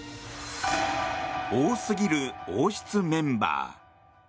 多すぎる王室メンバー。